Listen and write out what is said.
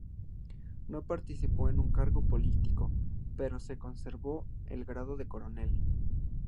No participó en un cargo político pero se le conservó el grado de Coronel.